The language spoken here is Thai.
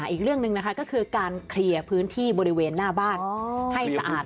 อีกเรื่องหนึ่งนะคะก็คือการเคลียร์พื้นที่บริเวณหน้าบ้านให้สะอาด